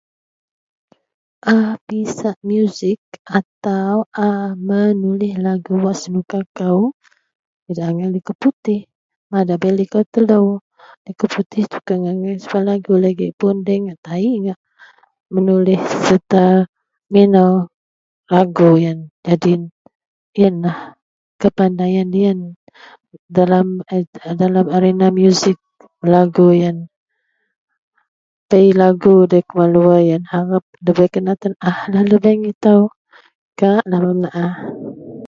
A pisak muzik atau a menulih lagu wak senuka kou, idak angai likou puteh, mada bei likou telou. Likou puteh tukeang angai subet lagu, lagipun deloyen ngak tayi ngak menulih sereta minou lagu yen. Nyadin yenlah kepandaian yen dalam a dalam arena muzik lagu yen. Bei lagu dari keman luwer yen harem nda kena tenaahlah lubeang itou. Kaklah bak menaah